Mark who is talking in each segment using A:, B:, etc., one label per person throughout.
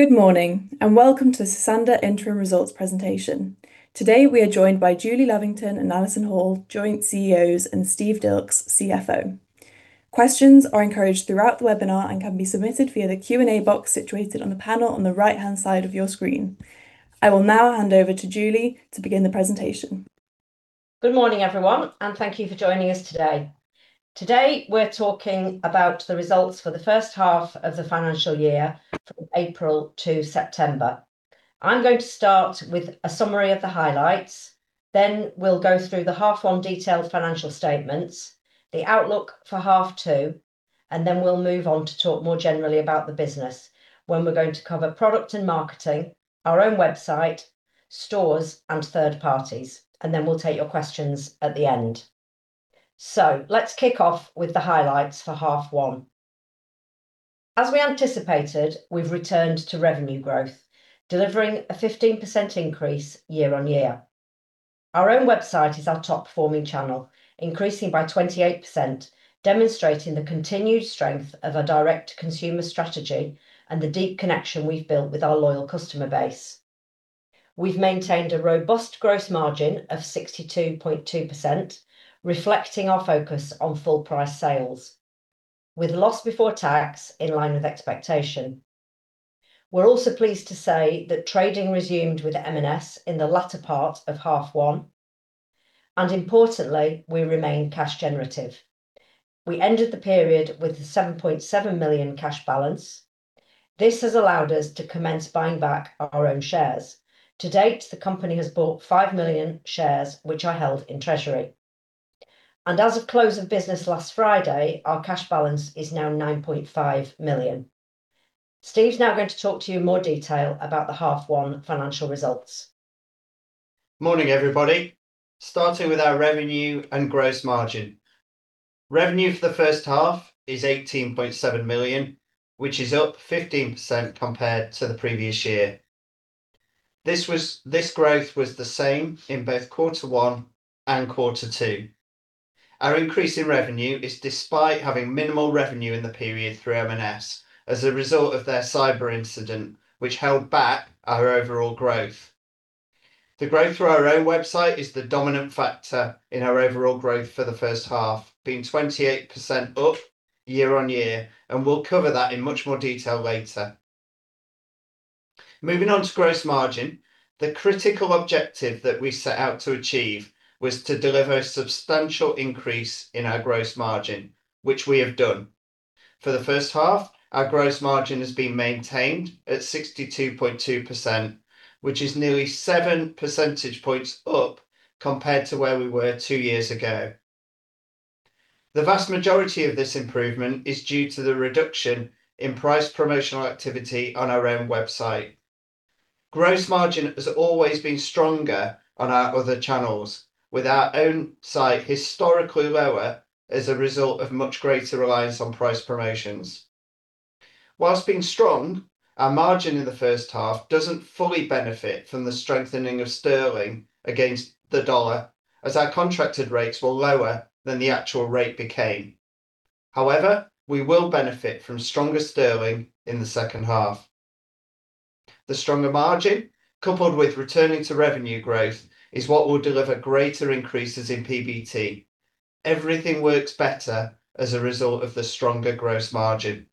A: Good morning and welcome to the Sosandar Interim Results Presentation. Today we are joined by Julie Lavington and Alison Hall, joint CEOs, and Steve Dilkes, CFO. Questions are encouraged throughout the webinar and can be submitted via the Q&A box situated on the panel on the right hand side of your screen. I will now hand over to Julie to begin the presentation.
B: Good morning everyone and thank you for joining us today. Today we're talking about the results for the first half of the financial year from April to September. I'm going to start with a summary of the highlights, then we'll go through the Half One detailed financial statements, the outlook for half two and then we'll move on to talk more generally about the business when we're going to cover product and marketing, our own website, stores and third parties and then we'll take your questions at the end. Let's kick off with the highlights for half one. As we anticipated, we've returned to revenue growth, delivering a 15% increase year on year. Our own website is our top performing channel, increasing by 28% demonstrating the continued strength of our direct to consumer strategy and the deep connection we've built with our loyal customer base. We've maintained a robust gross margin of 62.2% revenue, reflecting our focus on full price sales with loss before tax in line with expectation. We're also pleased to say that trading resumed with M&S in the latter part of half one and importantly we remain cash generative. We ended the period with the 7.7 million cash balance. This has allowed us to commence buying back our own shares. To date the company has bought 5 million shares which are held in treasury and as of close of business last Friday our cash balance is now 9.5 million. Steve's now going to talk to you in more detail about the half one financial results.
C: Morning everybody. Starting with our revenue and gross margin, revenue for the first half is 18.7 million which is up 15% compared to the previous year. This growth was the same in both quarter one and quarter two. Our increase in revenue is despite having minimal revenue in the period through M&S as a result of their cyber incident which held back our overall growth. The growth through our own website is the dominant factor in our overall growth for the first half being 28% up year on year and we'll cover that in much more detail later. Moving on to gross margin, the critical objective that we set out to achieve was to deliver a substantial increase in our gross margin which we have done. For the first half, our gross margin has been maintained at 62.2% which is nearly seven percentage points up compared to where we were two years ago. The vast majority of this improvement is due to the reduction in price promotional activity on our own website. Gross margin has always been stronger on our other channels, with our own site historically lower as a result of much greater reliance on price promotions. Whilst being strong, our margin in the first half does not fully benefit from the strengthening of sterling against the dollar as our contracted rates were lower than the actual rate became. However, we will benefit from stronger sterling in the second half. The stronger margin coupled with returning to revenue growth is what will deliver greater increases in PBT. Everything works better as a result of the stronger gross margin.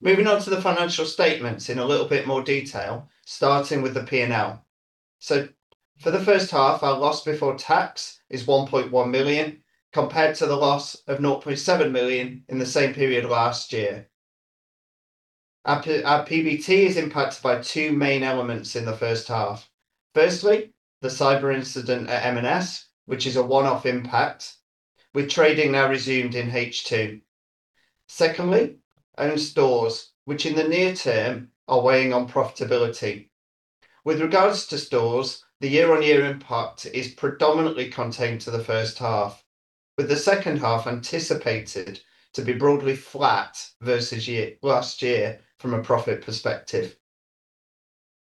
C: Moving on to the financial statements in a little bit more detail starting with the P&L. For the first half our loss before tax is 1.1 million compared to the loss of 0.7 million in the same period last year. Our PBT is impacted by two main elements in the first half. Firstly the cyber incident at M&S, which is a one-off impact with trading now resumed in H2. Secondly, own stores which in the near term are weighing on profitability. With regards to stores, the year-on-year impact is predominantly content to the first half with the second half anticipated to be broadly flat versus last year. From a profit perspective,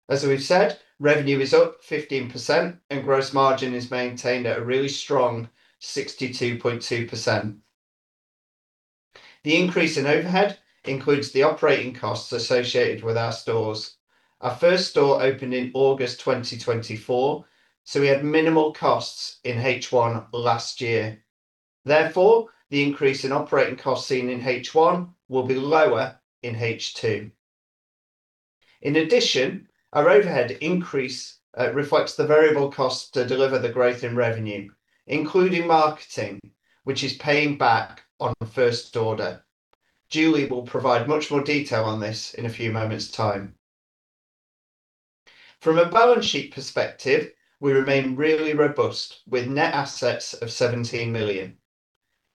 C: as we've said, revenue is up 15% and gross margin is maintained at a really strong 62.2%. The increase in overhead includes the operating costs associated with our stores. Our first store opened in August 2024 so we had minimal costs in H1 last year. Therefore the increase in operating costs seen in H1 will be lower in H2. In addition, our overhead increase reflects the variable cost to deliver the growth in revenue including marketing which is paying back on first order. Julie will provide much more detail on this in a few moments time. From a balance sheet perspective we remain really robust with net assets of 17 million.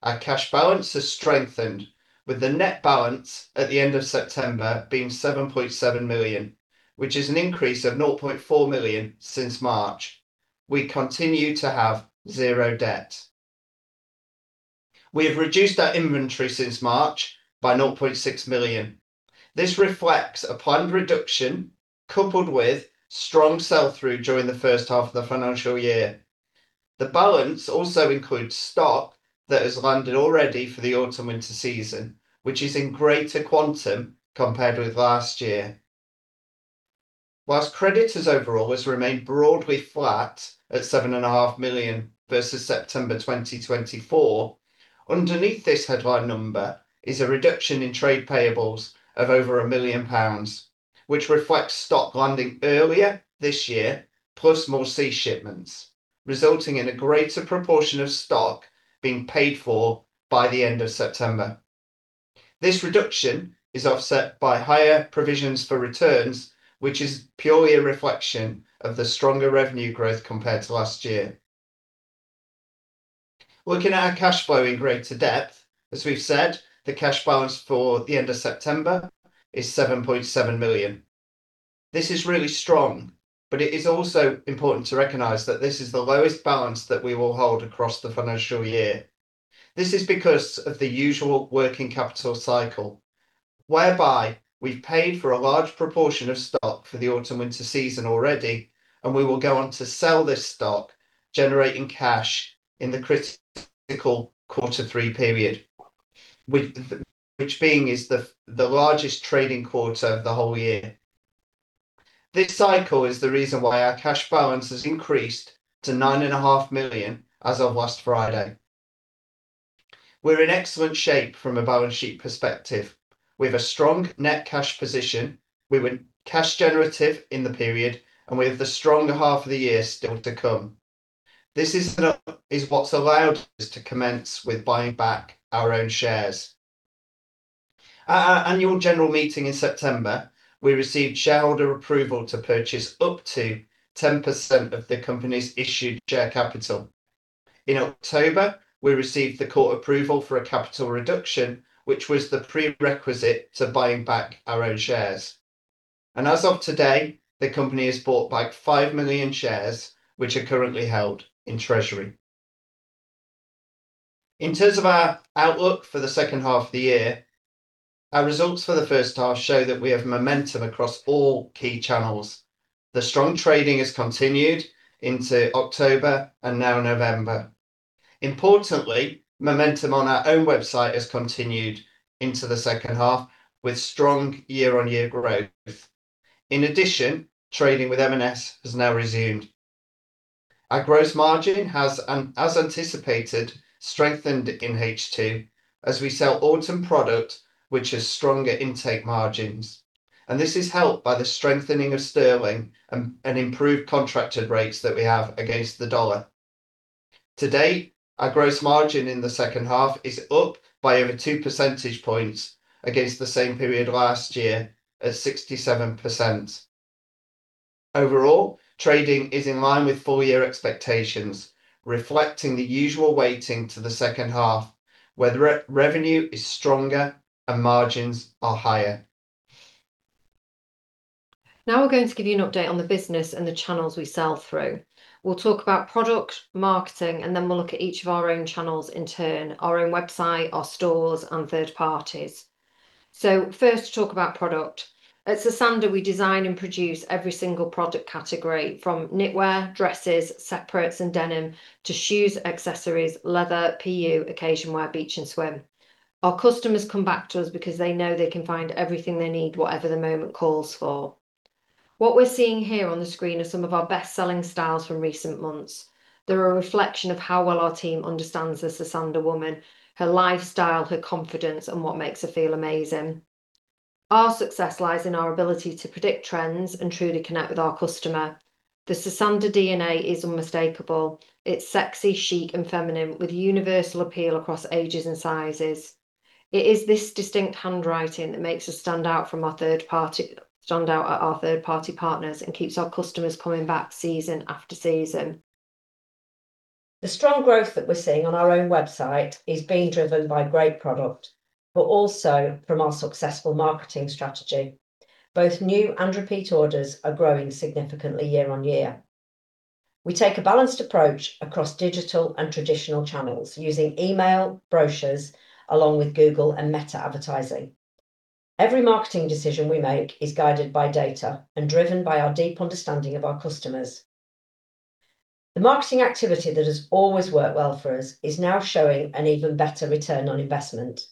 C: Our cash balance has strengthened with the net balance at the end of September being 7.7 million which is an increase of 0.4 million since March. We continue to have zero debt. We have reduced our inventory since March by 0.6 million. This reflects a planned reduction coupled with strong sell through during the first half of the financial year. The balance also includes stock that has landed already for the autumn winter season which is in greater quantum compared with last year, whilst creditors overall has remained broadly flat at 7.5 million versus September 2024. Underneath this headline number is a reduction in trade payables of over 1 million pounds, which reflects stock landing earlier this year, plus more sea shipments, resulting in a greater proportion of stock being paid for by the end of September. This reduction is offset by higher provisions for returns which is purely a reflection of the stronger revenue growth compared to last year. Looking at our cash flow in greater depth, as we've said, the cash balance for the end of September is 7.7 million. This is really strong. It is also important to recognize that this is the lowest balance that we will hold across the financial year. This is because of the usual working capital cycle whereby we've paid for a large proportion of stock for the autumn winter season already and we will go on to sell this stock generating cash in the critical quarter three period, which is the largest trading quarter of the whole year. This cycle is the reason why our cash balance has increased to 9.5 million as of last Friday. We're in excellent shape from a balance sheet perspective with a strong net cash position. We were cash generative in the period. With the stronger half of the year still to come, this is what's allowed us to commence with buying back our own shares. At our annual general meeting in September, we received shareholder approval to purchase up to 10% of the company's issued share capital. In October, we received the court approval for a capital reduction, which was the prerequisite to buying back our own shares. As of today, the company has bought back 5 million shares, which are currently held in Treasury. In terms of our outlook for the second half of the year, our results for the first half show that we have momentum across all key channels. The strong trading has continued into October and now November. Importantly, momentum on our own website has continued into the second half with strong year-on-year growth. In addition, trading with M&S has now resumed. Our gross margin has, as anticipated, strengthened in H2 as we sell autumn product, which has stronger intake margins. This is helped by the strengthening of sterling and improved contracted rates that we have against the dollar to date. Our gross margin in the second half is up by over two percentage points against the same period last year at 67%. Overall trading is in line with full year expectations, reflecting the usual weighting to the second half where the revenue is stronger and margins are higher.
D: Now we're going to give you an update on the business and the channels we sell through. We'll talk about product marketing and then we'll look at each of our own channels in turn. Our own website, our stores and third parties. First, to talk about product at Sosandar. We design and produce every single product category from knitwear, dresses, separates and denim to shoes, accessories, leather, PU, occasion wear, beach and swim. Our customers come back to us because they know they can find everything they need, whatever the moment calls for. What we're seeing here on the screen are some of our best selling styles from recent months. They're a reflection of how well our team understands the Sosandar woman, her lifestyle, her confidence and what makes her feel amazing. Our success lies in our ability to predict trends and truly connect with our customer. The Sosandar DNA is unmistakable. It's sexy, chic and feminine with universal appeal across ages and sizes. It is this distinct handwriting that makes us stand out from our third party, stand out at our third party partners and keeps our customers coming back season after season.
B: The strong growth that we're seeing on our own website is being driven by great product, but also from our successful marketing strategy. Both new and repeat orders are growing significantly year on year. We take a balanced approach across digital and traditional channels using email brochures along with Google and Meta advertising. Every marketing decision we make is guided by data and driven by our deep understanding of our customers. The marketing activity that has always worked well for us is now showing an even better return on investment.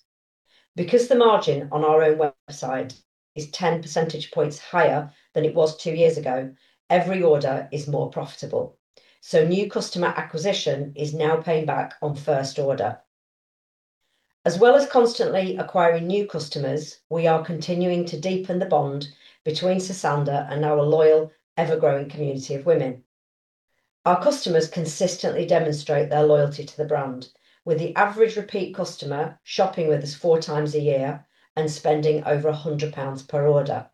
B: Because the margin on our own website is 10 percentage points higher than it was two years ago, every order is more profitable, so new customer acquisition is now paying back on first order as well as constantly acquiring new customers. We are continuing to deepen the bond between Sosandar and our loyal, ever growing community of women. Our customers consistently demonstrate their loyalty to the brand with the average repeat customer shopping with us four times a year and spending over 100 pounds per order.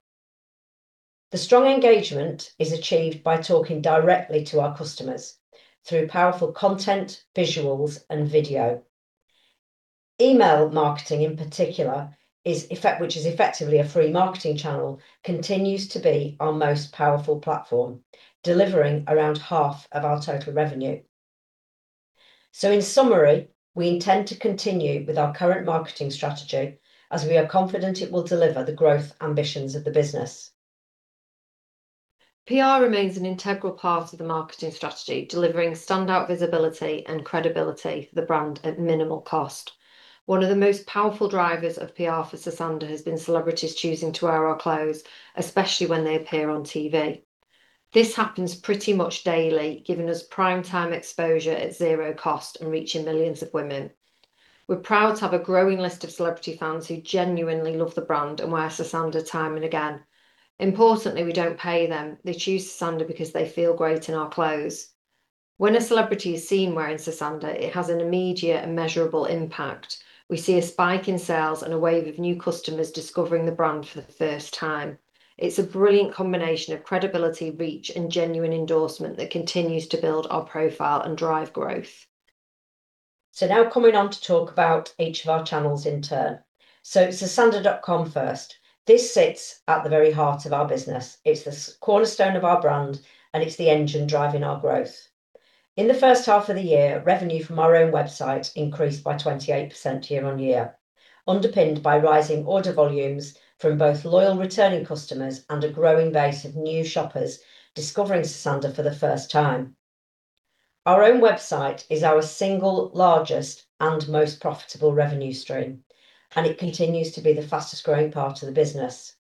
B: The strong engagement is achieved by talking directly to our customers through powerful content, visuals and video. Email marketing in particular, which is effectively a free marketing channel, continues to be our most powerful platform, delivering around half of our total revenue. In summary, we intend to continue with our current marketing strategy as we are confident it will deliver the growth ambitions of the business.
D: PR remains an integral part of the marketing strategy, delivering standout visibility and credibility for the brand at minimal cost. One of the most powerful drivers of PR for Sosandar has been celebrities choosing to wear our clothes, especially when they appear on TV. This happens pretty much daily, giving us prime time exposure at zero cost and reaching millions of women. We're proud to have a growing list of celebrity fans who genuinely love the brand and wear Sosandar time and again. Importantly, we don't pay them. They choose Sosandar because they feel great in our clothes. When a celebrity is seen wearing Sosandar, it has an immediate and measurable impact. We see a spike in sales and a wave of new customers discovering the brand for the first time. It's a brilliant combination of credibility, reach and genuine endorsement that continues to build our profile and drive growth.
B: Now coming on to talk about each of our channels in turn. Sosandar.com first. This sits at the very heart of our business. It's the cornerstone of our brand and it's the engine driving our growth. In the first half of the year, revenue from our own website increased by 28% year on year, underpinned by rising order volumes from both loyal returning customers and a growing base of new shoppers discovering Sosandar for the first time. Our own website is our single largest and most profitable revenue stream and it continues to be the fastest growing part of the business.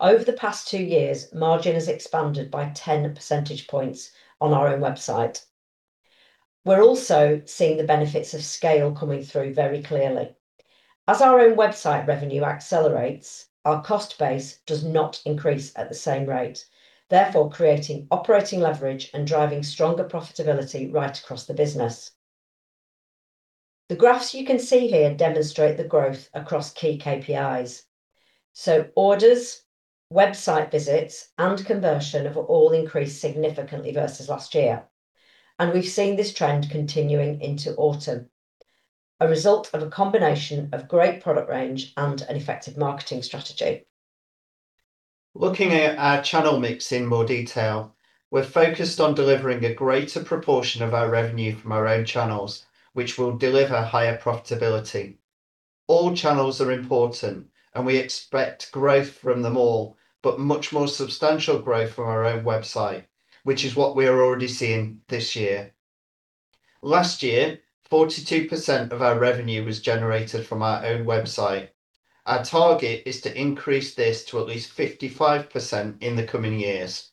B: Over the past two years, margin has expanded by 10 percentage points on our own website. We're also seeing the benefits of scale coming through very clearly. As our own website revenue accelerates, our cost base does not increase at the same rate, therefore creating operating leverage and driving stronger profitability right across the business. The graphs you can see here demonstrate the growth across key KPIs. Orders, website visits and conversion have all increased significantly versus last year. We have seen this trend continuing into autumn, a result of a combination of great product range and an effective marketing strategy.
C: Looking at our channel mix in more detail, we're focused on delivering a greater proportion of our revenue from our own channels which will deliver higher profitability. All channels are important and we expect growth from them all, but much more substantial growth from our own website, which is what we are already seeing this year. Last year, 42% of our revenue was generated from our own website. Our target is to increase this to at least 55% in the coming years.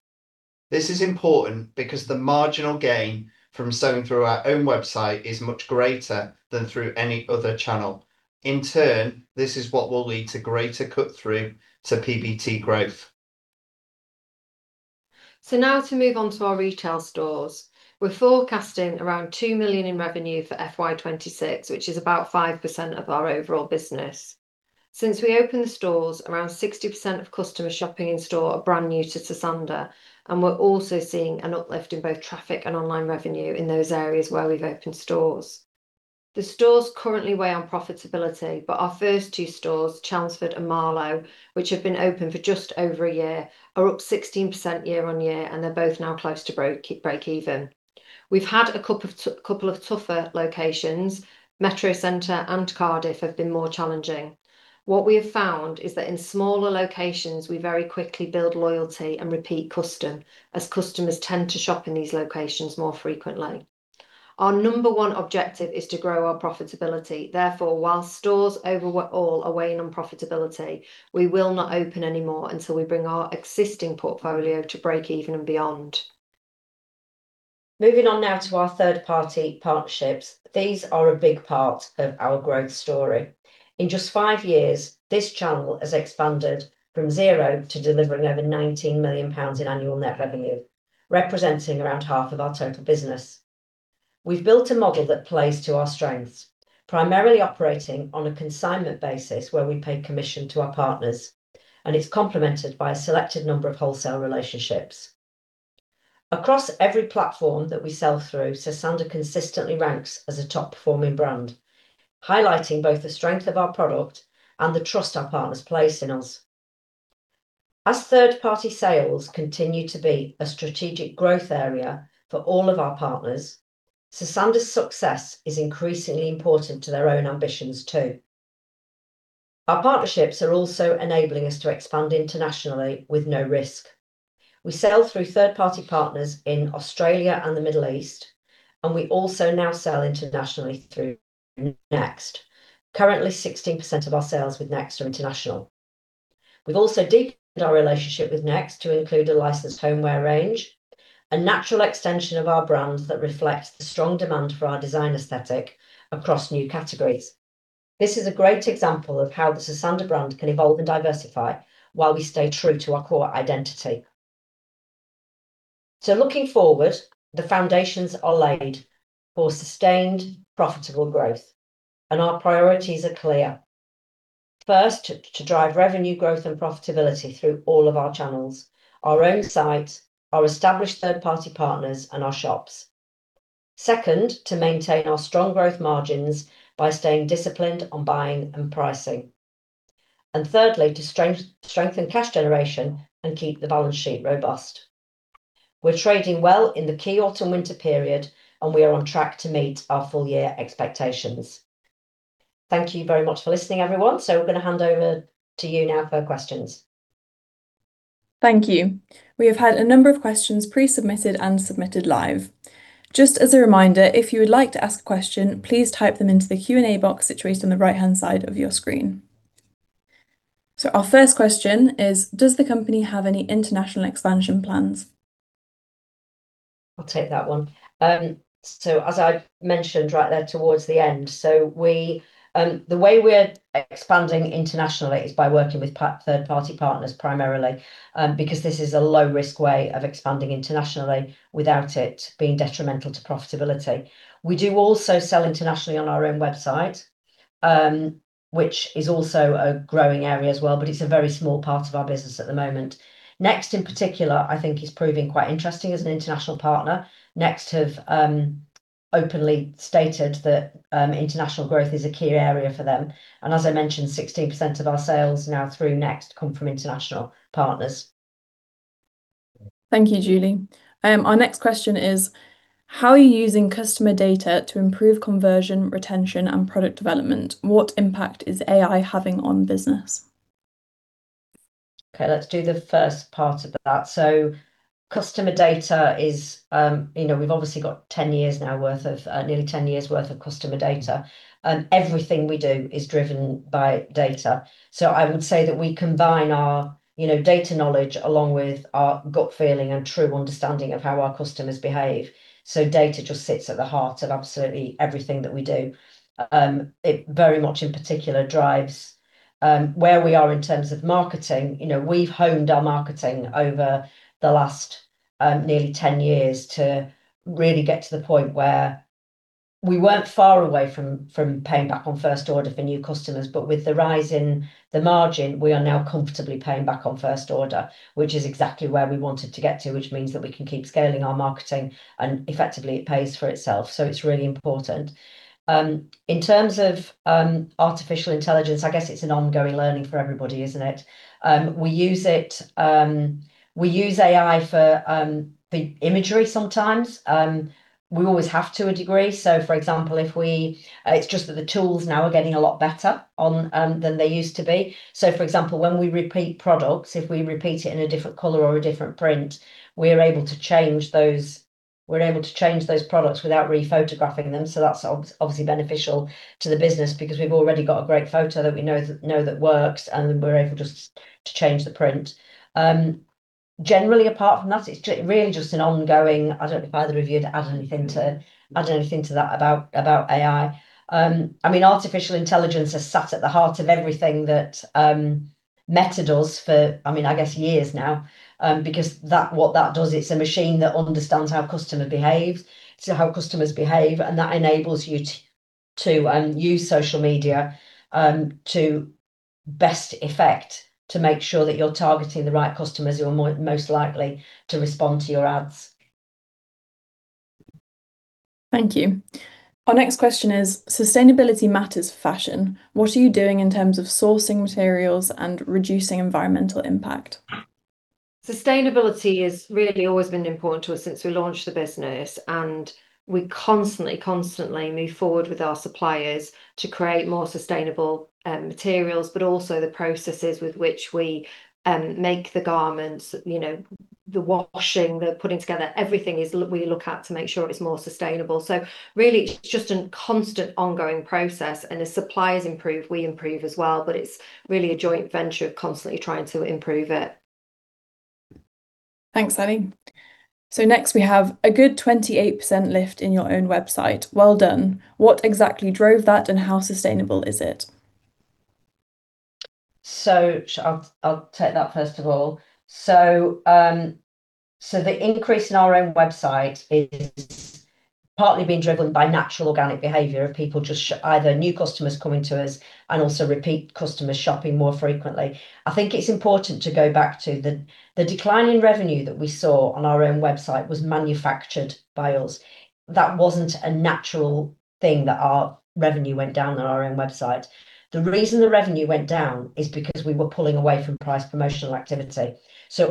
C: This is important because the marginal gain from selling through our own website is much greater than through any other channel. In turn, this is what will lead to greater cut through to PBT growth.
D: Now to move on to our retail stores, we're forecasting around 2 million in revenue for FY 2026, which is about 5% of our overall business. Since we opened the stores, around 60% of customers shopping in store are brand new to Sosandar and we're also seeing an uplift in both traffic and online revenue in those areas where we've opened stores. The stores currently weigh on profitability, but our first two stores, Chelmsford and Marlow, which have been open for just over a year, are up 16% year on year and they're both now close to break even. We've had a couple of tougher locations. Metrocentre and Cardiff have been more challenging. What we have found is that in smaller locations we very quickly build loyalty and repeat custom. As customers tend to shop in these locations more frequently, our number one objective is to grow our profitability. Therefore, while stores overall are weighing on profitability, we will not open any more until we bring our existing portfolio to break even and beyond.
B: Moving on now to our third party partnerships, these are a big part of our growth story. In just five years, this channel has expanded from zero to delivering over 19 million pounds in annual net revenue, representing around half of our total business. We've built a model that plays to our strengths, primarily operating on a consignment basis where we pay commission to our partners and it's complemented by a selected number of wholesale relationships across every platform that we sell through. Sosandar consistently ranks as a top performing brand, highlighting both the strength of our product and the trust our partners place in us. As third party sales continue to be a strategic growth area for all of our partners, Sosandar's success is increasingly important to their own ambitions too. Our partnerships are also enabling us to expand internationally with no risk. We sell through third party partners in Australia and the Middle East and we also now sell internationally through Next. Currently, 16% of our sales with Next are international. We've also deepened our relationship with Next to include a licensed homeware range, a natural extension of our brand that reflects the strong demand for our design aesthetic across new categories. This is a great example of how the Sosandar brand can evolve and diversify while we stay true to our core identity. Looking forward, the foundations are laid for sustained, profitable growth and our priorities are clear. First, to drive revenue growth and profitability through all of our channels, our own site, our established third party partners and our shops. Second, to maintain our strong gross margins by staying disciplined on buying and pricing and thirdly, to strengthen cash generation and keep the balance sheet robust. We're trading well in the key autumn winter period and we are on track to meet our full year expectations. Thank you very much for listening everyone. I am going to hand over to you now for questions.
A: Thank you. We have had a number of questions pre submitted and submitted live. Just as a reminder, if you would like to ask a question, please type them into the Q&A box situated on the right hand side of your screen. Our first question is, does the company have any international expansion plans?
B: I'll take that one. As I mentioned right there towards the end, we, the way we're expanding internationally is by working with third party partners, primarily because this is a low risk way of expanding internationally without it being detrimental to profitability. We do also sell internationally on our own website, which is also a growing area as well. It is a very small part of our business at the moment. Next in particular, I think is proving quite interesting as an international partner. Next have openly stated that international growth is a key area for them. As I mentioned, 16% of our sales now through Next come from international partners.
A: Thank you, Julie. Our next question is how are you using customer data to improve conversion, retention and product development? What impact is AI having on business?
B: Okay, let's do the first part of that. Customer data is, you know, we've obviously got 10 years now worth of, nearly 10 years worth of customer data. Everything we do is driven by data. I would say that we combine our, you know, data knowledge along with our gut feeling and true understanding of how our customers behave. Data just sits at the heart of absolutely everything that we do. It very much in particular drives where we are in terms of marketing. You know, we've honed our marketing over the last nearly 10 years to really get to the point where we weren't far away from paying back on first order for new customers. With the rise in the margin, we are now comfortably paying back on first order, which is exactly where we wanted to get to. Which means that we can keep scaling our marketing and effectively it pays for itself. It is really important in terms of artificial intelligence. I guess it is an ongoing learning for everybody, isn't it? We use it, we use AI for the imagery sometimes. We always have to a degree. For example, if we, it is just that the tools now are getting a lot better than they used to be. For example, when we repeat products, if we repeat it in a different color or a different print, we are able to change those, we are able to change those products without rephotographing them. That is obviously beneficial to the business because we have already got a great photo that we know works and we are able to just change the print generally. Apart from that, it is really just an ongoing. I don't know if either of you had anything to add to that about AI. I mean, artificial intelligence has sat at the heart of everything that Meta does for, I mean, I guess years now. Because what that does, it's a machine that understands how customer behaves, how customers behave, and that enables you to use social media to best effect to make sure that you're targeting the right customers who are most likely to respond to your ads.
A: Thank you. Our next question is sustainability matters fashion. What are you doing in terms of sourcing materials and reducing environmental impact?
D: Sustainability has really always been important to us since we launched the business. We constantly, constantly move forward with our suppliers to create more sustainable materials. Also, the processes with which we make the garments, you know, the washing, the putting together, everything is we look at to make sure it's more sustainable. It is just a constant, ongoing process. As suppliers improve, we improve as well. It is really a joint venture, constantly trying to improve it.
A: Thanks, Ali. Next, we have a good 28% lift in your own website. Well done. What exactly drove that and how sustainable is it?
B: I'll take that first of all. The increase in our own website is partly being driven by natural organic behavior of people, just either new customers coming to us and also repeat customers shopping more frequently. I think it's important to go back to the decline in revenue that we saw on our own website was manufactured by us. That was not a natural thing, that our revenue went down on our own website. The reason the revenue went down is because we were pulling away from price promotional activity.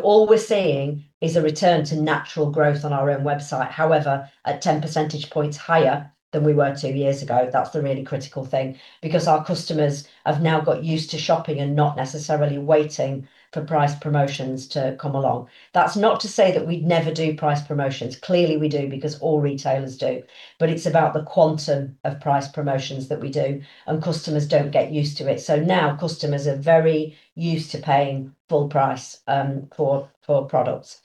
B: All we're seeing is a return to natural growth on our own website. However, at 10 percentage points higher than we were two years ago, that's the really critical thing, because our customers have now got used to shopping and not necessarily waiting for price promotions to come along. That's not to say that we'd never do price promotions. Clearly we do, because all retailers do. It is about the quantum of price promotions that we do. Customers do not get used to it. Now customers are very used to paying full price for products.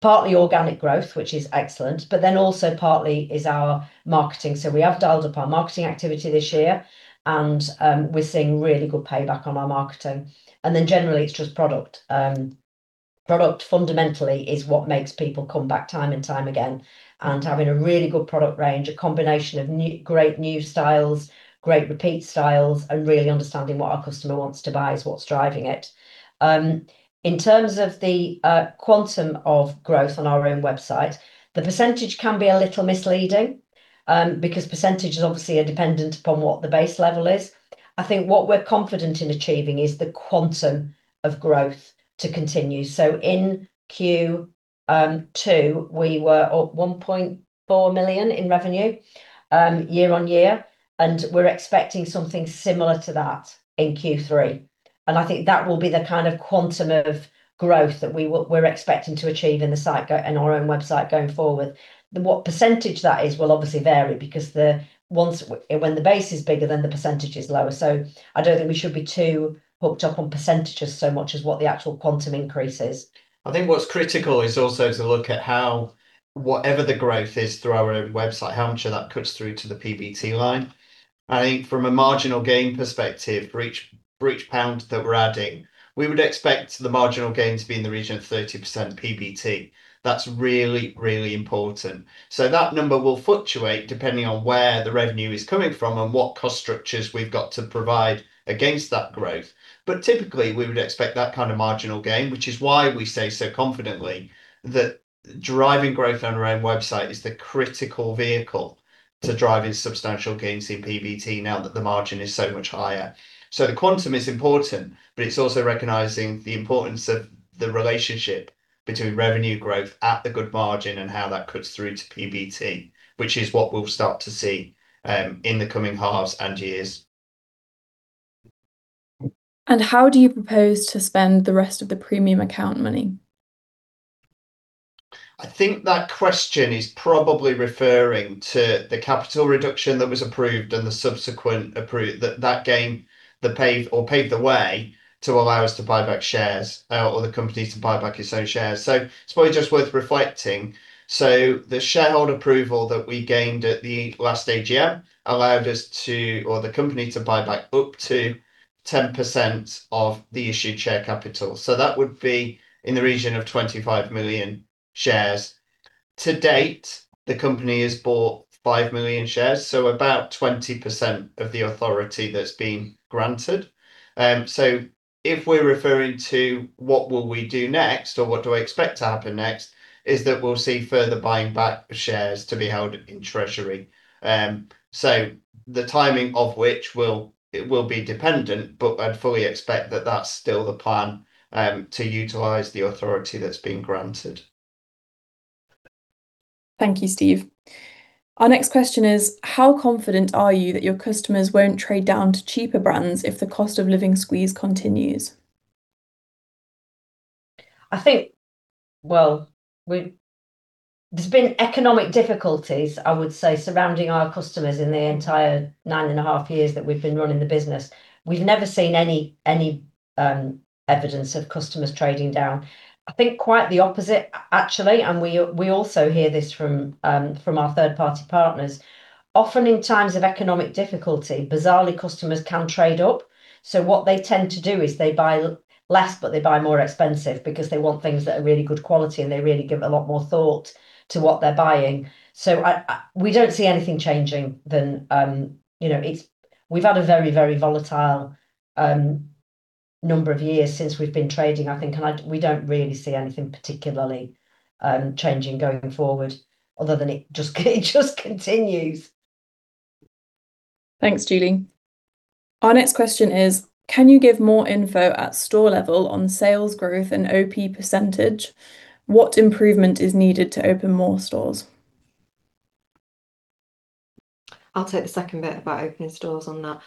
B: Partly organic growth, which is excellent, but also partly is our marketing. We have dialed up our marketing activity this year and we are seeing really good payback on our marketing. Generally it is just product. Product fundamentally is what makes people come back time and time again. Having a really good product range, a combination of great new styles, great repeat styles, and really understanding what our customer wants to buy is what is driving it. In terms of the quantum of growth on our own website, the precentage can be a little misleading because percentage obviously are dependent upon what the base level is. I think what we're confident in achieving is the quantum of growth to continue. In Q2 we were up 1.4 million in revenue year on year, and we're expecting something similar to that in Q3. I think that will be the kind of quantum of growth that we are expecting to achieve in the site, in our own website going forward. What percentage that is will obviously vary because once the base is bigger, then the percentage is lower. I don't think we should be too hooked up on percentage so much as what the actual quantum increase is.
C: I think what's critical is also to look at how whatever the growth is through our website, how much of that cuts through to the PBT line. I think from a marginal gain perspective, for each, for each pound that we're adding, we would expect the marginal gain to be in the region of 30% PBT. That's really, really important. That number will fluctuate depending on where the revenue is coming from and what cost structures we've got to provide against that growth. Typically we would expect that kind of marginal gain, which is why we say so confidently that driving growth on our own website is the critical vehicle to drive in substantial gains in PBT now that the margin is so much higher. The quantum is important, but it's also recognizing the importance of the relationship between revenue growth at the good margin and how that cuts through to PBT, which is what we'll start to see in the coming halves and years.
A: How do you propose to spend the rest of the premium account money?
C: I think that question is probably referring to the capital reduction that was approved and the subsequent that that gained the pave or paved the way to allow us to buy back shares or the company to buy back its own shares. It is probably just worth reflecting. The shareholder approval that we gained at the last AGM allowed us to or the company to buy back up to 10% of the issued share capital. That would be in the region of 25 million shares. To date, the company has bought 5 million shares, so about 20% of the authority that has been granted. If we are referring to what will we do next, or what do I expect to happen next, I expect that we will see further buying back shares to be held in treasury. The timing of which will be dependent, but I'd fully expect that that's still the plan to utilize the authority that's been granted.
A: Thank you, Steve. Our next question is how confident are you that your customers won't trade down to cheaper brands if the cost of living squeeze continues?
B: I think. We, there's been economic difficulties, I would say, surrounding our customers. In the entire nine and a half years that we've been running the business we've never seen any evidence of customers trading down. I think quite the opposite actually. We also hear this from our third party partners. Often in times of economic difficulty, bizarrely, customers can trade up. What they tend to do is they buy less but they buy more expensive because they want things that are really good quality and they really give a lot more thought to what they're buying. We don't see anything changing than, you know, it's, we've had a very, very volatile number of years since we've been trading, I think and we don't really see anything particularly changing going forward other than it just, it just continues.
A: Thanks Julie. Our next question is can you give more info at store level on sales growth and op percentage, what improvement is needed to open more stores?
D: I'll take the second bit about opening stores on that.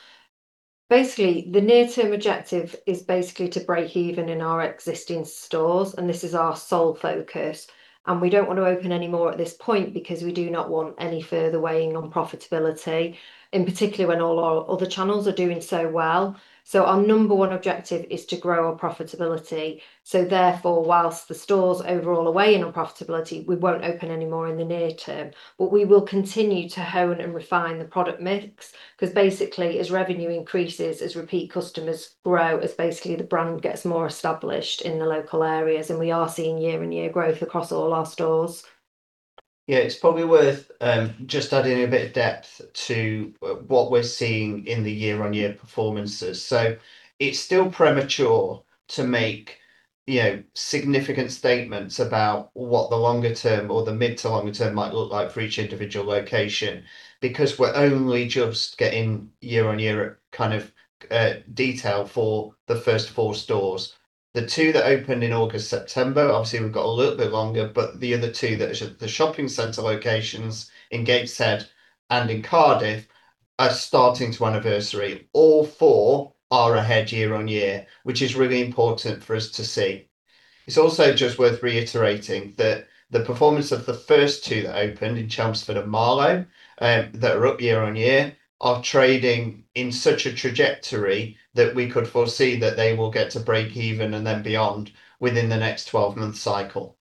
D: Basically the near term objective is basically to break even in our existing stores and this is our sole focus and we don't want to open any more at this point because we do not want any further weighing on profitability in particular when all our other channels are doing so well. Our number one objective is to grow our profitability. Therefore, whilst the stores overall are weighing on profitability, we won't open any more in the near term but we will continue to hone and refine the product mix because basically as revenue increases, as repeat customers grow, as basically the brand gets more established in the local areas and we are seeing year on year growth across all our stores.
C: Yeah, it's probably worth just adding a bit of depth to what we're seeing in the year on year performances. It's still premature to make, you know, significant statements about what the longer term or the mid to longer term might look like for each individual location because we're only just getting year on year kind of detail for the first four stores. The two that opened in August, September, obviously we've got a little bit longer. The other two that are the shopping center locations in Gateshead and in Cardiff are starting to anniversary. All four are ahead year on year, which is really important for us to see. It's also just worth reiterating that the performance of the first two that opened in Chelmsford and Marlow that are up year on year are trading in such a trajectory that we could foresee that they will get to break even and then beyond within the next 12 month cycle.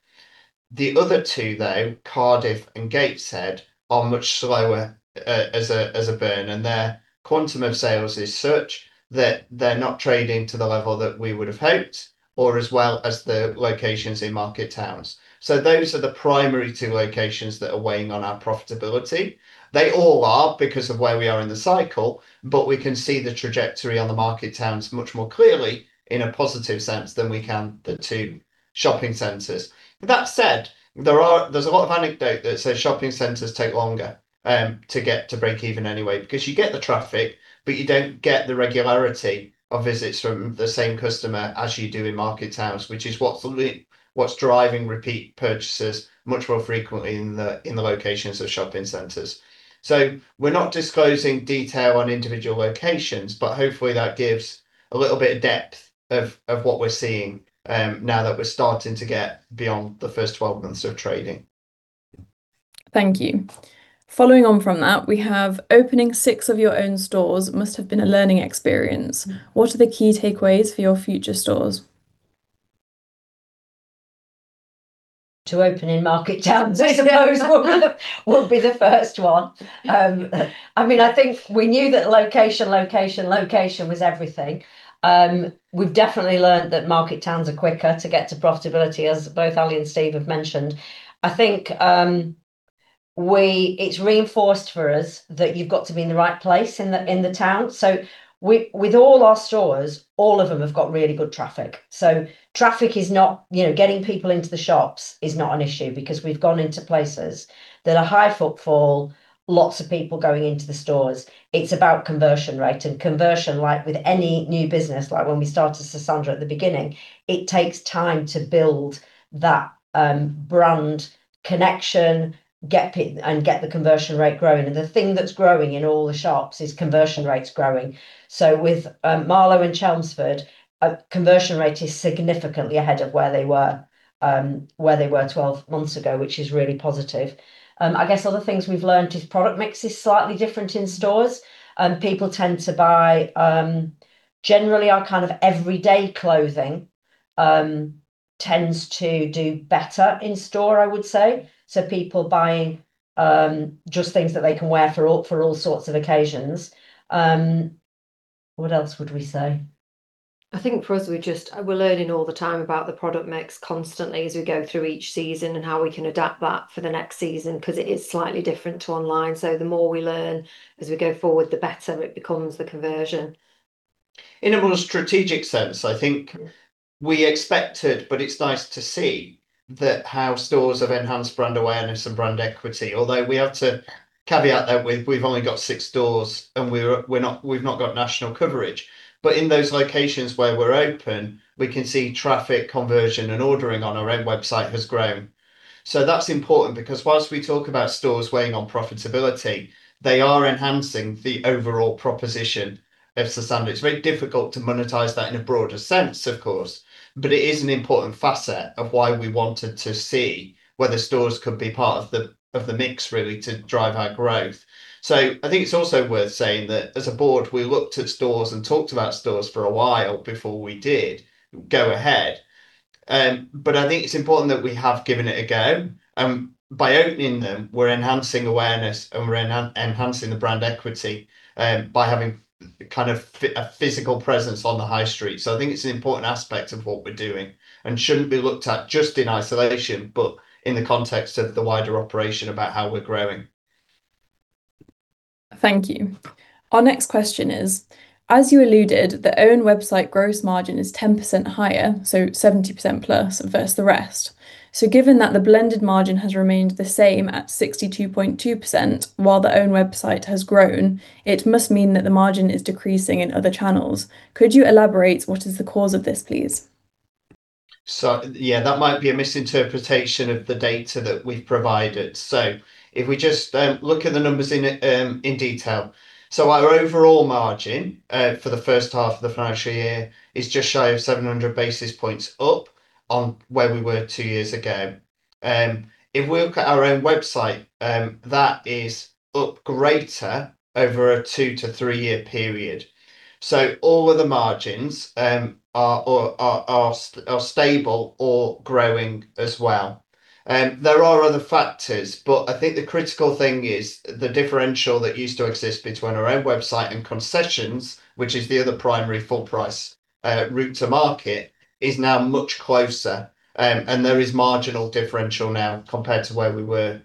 C: The other two, though, Cardiff and Gateshead, are much slower as a burn and their quantum of sales is such that they're not trading to the level that we would have hoped or as well as the locations in Market Towns. Those are the primary two locations that are weighing on our profitability. They all are because of where we are in the cycle. We can see the trajectory on the Market Towns much more clearly in a positive sense than we can the two shopping centers. That said, there are. is a lot of anecdote that says shopping centers take longer to get to break even anyway because you get the traffic, but you do not get the regularity of visits from the same customer as you do in Market Towns, which is what is driving repeat purchases much more frequently in the locations of shopping centers. We are not disclosing detail on individual locations, but hopefully that gives a little bit of depth of what we are seeing now that we are starting to get beyond the first 12 months of trading.
A: Thank you. Following on from that, we have opening six of your own stores must have been a learning experience. What are the key takeaways for your future stores?
B: To open in Market Towns? I suppose will be the first one. I mean, I think we knew that location, location, location was everything. We've definitely learned that Market Towns are quicker to get to profitability, as both Ali and Steve have mentioned. I think we, it's reinforced for us that you've got to be in the right place in the, in the town. So we, with all our stores, all of them have got really good traffic. Traffic is not, you know, getting people into the shops is not an issue because we've gone into places that are high footfall, lots of people going into the stores. It's about conversion rate and conversion. Like with any new business, like when we started Sosandar at the beginning, beginning it takes time to build that brand connection. Get and get the conversion rate growing. The thing that's growing in all the shops is conversion rates growing. With Marlow and Chelmsford, a conversion rate is significantly ahead of where they were 12 months ago, which is really positive, I guess. Other things we've learned is product mix is slightly different in stores. People tend to buy generally our kind of everyday clothing tends to do better in store, I would say. People buying just things that they can wear for all sorts of occasions. What else would we say?
D: I think for us, we just, we're learning all the time about the product mix constantly as we go through each season and how we can adapt that for the next season because it is slightly different to online. The more we learn as we go forward, the better it becomes. The conversion
C: in a more strategic sense, I think we expected, but it's nice to see that how stores have enhanced brand awareness and brand equity. Although we have to caveat that we've only got six stores and we've not got national coverage, but in those locations where we're open, we can see traffic conversion and ordering on our own website has grown. That is important because whilst we talk about stores weighing on profitability, they are enhancing the overall proposition of Sosandar. It's very difficult to monetize that in a broader sense, of course, but it is an important facet of why we wanted to see whether stores could be part of the mix really to drive our growth. I think it's also worth saying that as a board, we looked at stores and talked about stores for a while before we did go ahead. I think it's important that we have given it a go and by opening them we're enhancing awareness and we're enhancing the brand equity by having kind of a physical presence on the high street. I think it's an important aspect of what we're doing and shouldn't be looked at just in isolation, but in the context of the wider operation about how we're growing.
A: Thank you. Our next question is, as you alluded, the own website gross margin is 10% higher, so 70% plus versus the rest. Given that the blended margin has remained the same at 62.2% while the own website has grown, it must mean that the margin is decreasing in other channels. Could you elaborate what is the cause of this, please?
C: Yeah, that might be a misinterpretation of the data that we've provided. If we just look at the numbers in detail. Our overall margin for the first half of the financial year is just shy of 700 basis points up on where we were two years ago. If we look at our own website, that is up greater over a two to three year period. All of the margins are stable or growing as well. There are other factors, but I think the critical thing is the differential that used to exist between our own website and concessions, which is the other primary full price route to market, is now much closer and there is marginal differential now compared to where we were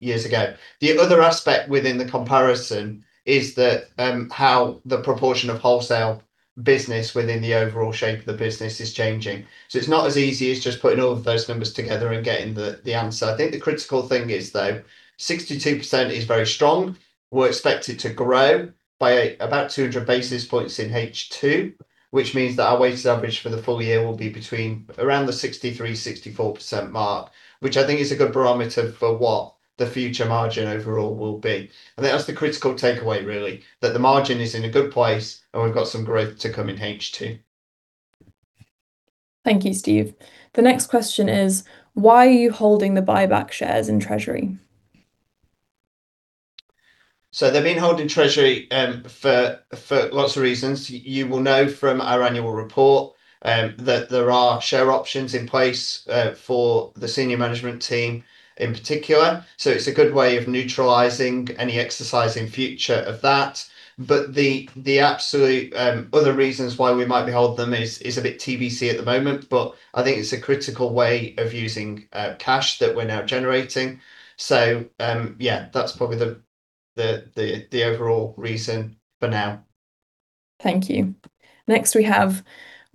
C: years ago. The other aspect within the comparison is that how the proportion of wholesale business within the overall shape of the business is changing. It is not as easy as just putting all of those numbers together and getting the answer. I think the critical thing is though 62% is very strong. We are expected to grow by about 200 basis points in H2, which means that our weighted average for the full year will be between around the 63%-64% mark, which I think is a good barometer for what the future margin overall will be. That is the critical takeaway really, that the margin is in a good place and we have got some growth to come in H2.
A: Thank you, Steve. The next question is why are you holding the buyback shares in treasury?
C: They've been holding treasury for lots of reasons. You will know from our annual report that there are share options in place for the senior management team in particular. It's a good way of neutralizing any exercise in future of that. The absolute other reasons why we might be holding them is a bit TBC at the moment, but I think it's a critical way of using cash that we're now generating. Yeah, that's probably the overall reason for now.
A: Thank you. Next, we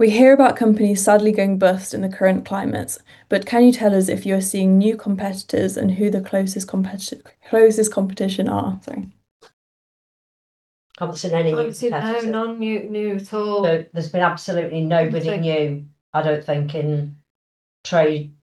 A: hear about companies sadly going bust in the current climate. Can you tell us if you're seeing new competitors and who the closest competition are? Sorry.
D: New at all.
B: There's been absolutely nobody new, I don't think in trade,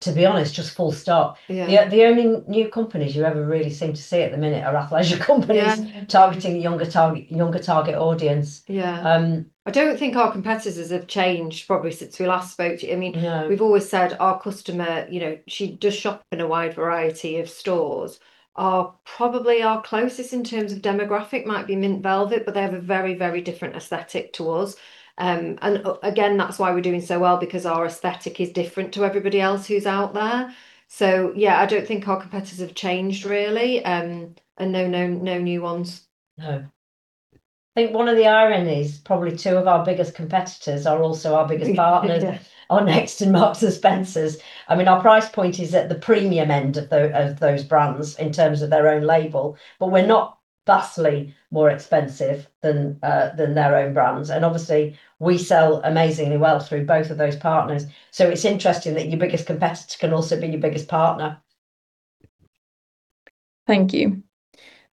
B: to be honest, just full stop. The only new companies you ever really seem to see at the minute are Athleisure companies targeting younger target. Younger target audience.
D: Yeah, I don't think our competitors have changed probably since we last spoke to you. I mean, we've always said our customer, you know, she does shop in a wide variety of stores. Probably our closest in terms of demographic might be Mint Velvet, but they have a very, very different aesthetic to us. That's why we're doing so well because our aesthetic is different to everybody else who's out there. Yeah, I don't think our competitors have changed really and no, no new ones.
B: No. I think one of the ironies, probably two of our biggest competitors are also our biggest partners on Next and Marks & Spencer. I mean our price point is at the premium end of those brands in terms of their own label, but we're not vastly more expensive than their own brands. Obviously we sell amazingly well through both of those partners. It is interesting that your biggest competitor can also be your biggest partner.
A: Thank you.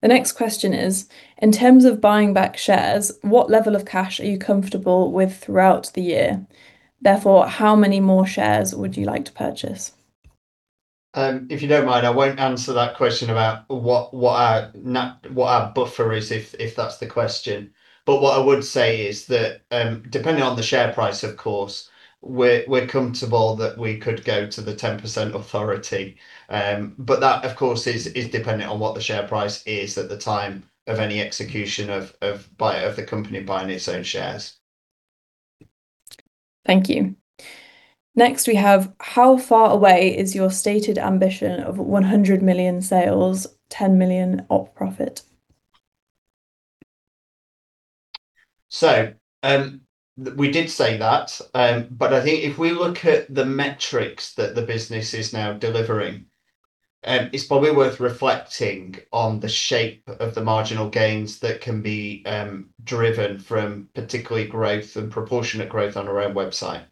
A: The next question is in terms of buying back shares, what level of cash are you comfortable with throughout the year? Therefore, how many more shares would you like to purchase?
C: If you don't mind, I won't answer that question about what our buffer is, if that's the question. What I would say is that depending on the share price, of course we're comfortable that we could go to the 10% authority, but that of course is dependent on what the share price is at the time of any execution of the company buying its own shares.
A: Thank you. Next, we have how far away is your stated ambition of 100 million sales? 10 million op profit.
C: We did say that. I think if we look at the metrics that the business is now delivering, it's probably worth reflecting on the shape of the marginal gains that can be driven from particularly growth and proportionate growth on our own website.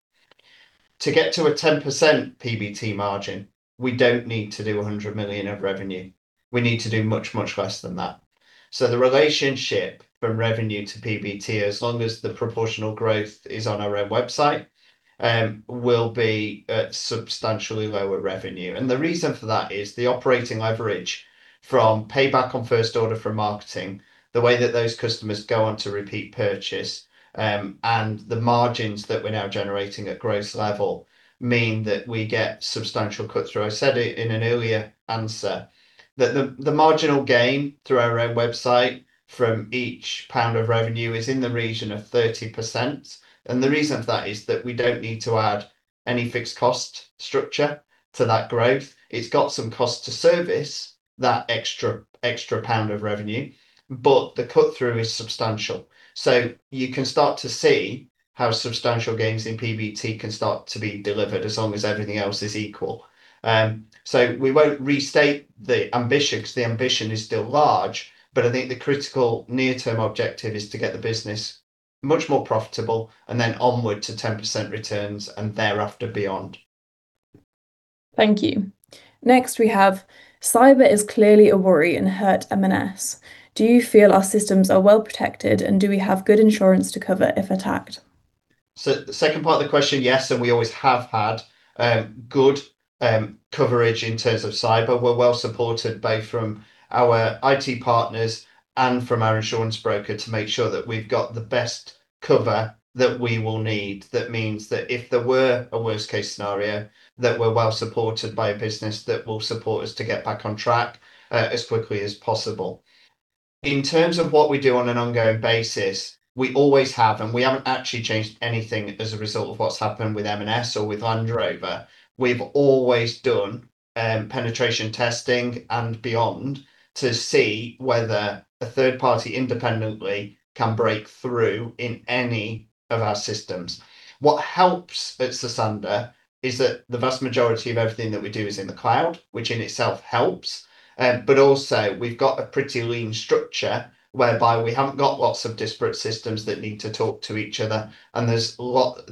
C: To get to a 10% PBT margin, we don't need to do 100 million of revenue, we need to do much, much less than that. The relationship from revenue to PBT, as long as the proportional growth is on our own website, will be at substantially lower revenue. The reason for that is the operating leverage from payback on first order from marketing, the way that those customers go on to repeat purchase, and the margins that we're now generating at gross level mean that we get substantial cut through. I said it in an earlier answer that the marginal gain through our own website from each pound of revenue is in the region of 30%. The reason for that is that we do not need to add any fixed cost structure to that growth. It has some cost to service that extra, extra pound of revenue, but the cut through is substantial. You can start to see how substantial gains in PBT can start to be delivered as long as everything else is equal. We will not restate the ambition because the ambition is still large. I think the critical near term objective is to get the business much more profitable and then onward to 10% returns and thereafter beyond.
A: Thank you. Next, we have, cyber is clearly a worry and hurt M&S. Do you feel our systems are well protected and do we have good insurance to cover if attacked?
C: The second part of the question, yes, and we always have had good coverage in terms of cyber. We're well supported both from our IT partners and from our insurance broker to make sure that we've got the best coverage that we will need. That means that if there were a worst case scenario that we're well supported by a business that will support us to get back on track as quickly as possible in terms of what we do on an ongoing basis. We always have and we haven't actually changed anything as a result of what's happened with M&S or with Land Rover. We've always done penetration testing and beyond to see whether a third party independently can break through in any of our systems. What helps at Sosandar is that the vast majority of everything that we do is in the cloud, which in itself helps. We have a pretty lean structure whereby we have not got lots of disparate systems that need to talk to each other. There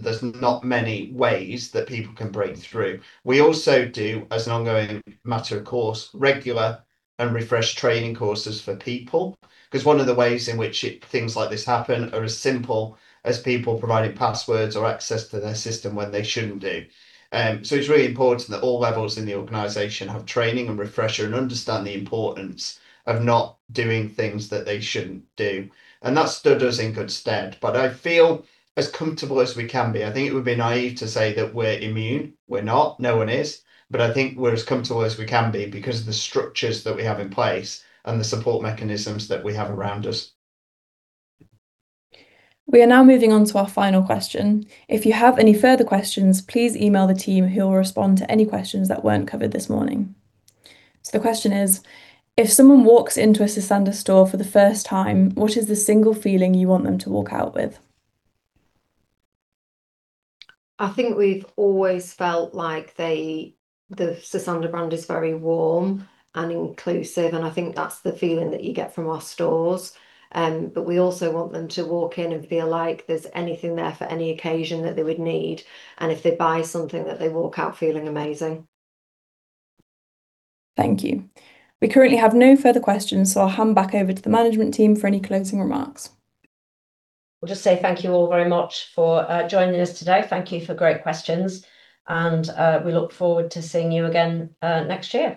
C: are not many ways that people can break through. We also do, as an ongoing matter of course, regular and refresh training courses for people because one of the ways in which things like this happen are as simple as people providing passwords or access to their system when they should not do so. It is really important that all levels in the organization have training and refresher and understand the importance of not doing things that they should not do. That stood us in good stead. I feel as comfortable as we can be. I think it would be naive to say that we're immune. We're not, no one is. I think we're as comfortable as we can be because of the structures that we have in place and the support mechanisms that we have around us.
A: We are now moving on to our final question. If you have any further questions, please email the team who will respond to any questions that were not covered this morning. The question is, if someone walks into a Sosandar store for the first time, what is the single feeling you want them to walk out with?
D: I think we've always felt like the Sosandar brand is very warm and inclusive and I think that's the feeling that you get from our stores. We also want them to walk in and feel like there's anything there for any occasion that they would need and if they buy something that they walk out feeling amazing.
A: Thank you. We currently have no further questions, so I'll hand back over to the management team for any closing remarks.
B: We'll just say thank you all very much for joining us today. Thank you for great questions and we look forward to seeing you again next year.